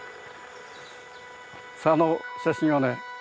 あの写真はね